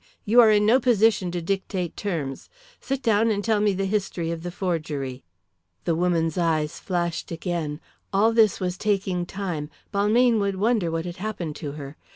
You are in no position to dictate terms. Sit down and tell me the history of the forgery." The woman's eyes flashed again. All this was taking time. Balmayne would wonder what had happened to her.